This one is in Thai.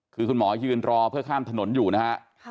คือคุณหมอยืนรอเพื่อข้ามถนนอยู่นะฮะ